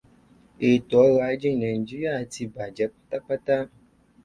Ètò ọrọ̀ ajé Nàíjíríà ti bàjẹ́ pátápátá.